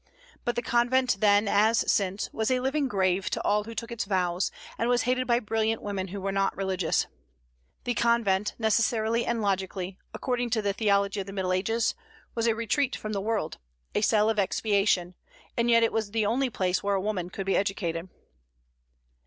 But the convent then, as since, was a living grave to all who took its vows, and was hated by brilliant women who were not religious. The convent necessarily and logically, according to the theology of the Middle Ages, was a retreat from the world, a cell of expiation; and yet it was the only place where a woman could be educated.